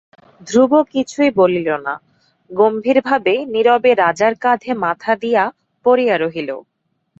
ধ্রুব কিছুই বলিল না, গম্ভীর ভাবে নীরবে রাজার কাঁধে মাথা দিয়া পড়িয়া রহিল।